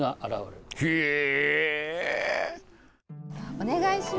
お願いします！